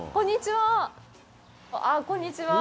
こんにちは。